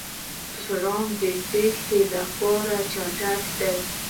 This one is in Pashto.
پړانګ د تېښتې لپاره چټک دی.